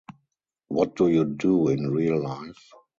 What do you do in real life?